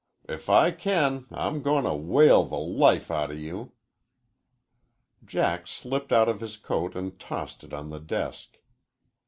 If I can I'm goin' to whale the life outa you." Jack slipped out of his coat and tossed it on the desk.